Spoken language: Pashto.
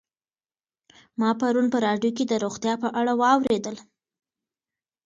ما پرون په راډیو کې د روغتیا په اړه واورېدل.